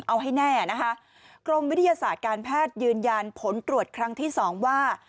เอาให้แน่นะคะกรมวิทยาศาสตร์การแพทย์ยืนยันผลตรวจครั้งที่สองว่า